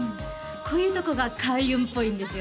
こういうとこが開運っぽいんですよ